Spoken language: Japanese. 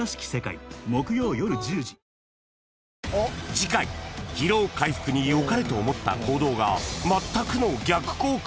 ［次回疲労回復によかれと思った行動がまったくの逆効果］